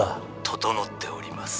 整っております。